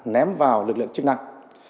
ném vào lực lượng chức năng